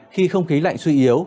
khi không khí lạnh suy yếu